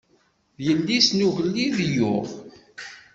D yelli-s n ugellid i yuɣ.